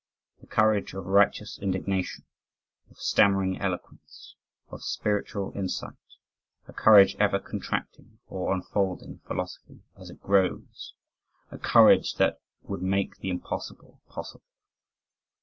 The courage of righteous indignation, of stammering eloquence, of spiritual insight, a courage ever contracting or unfolding a philosophy as it grows a courage that would make the impossible possible.